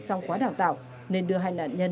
xong quá đào tạo nên đưa hai nạn nhân